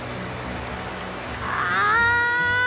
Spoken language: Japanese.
ああ！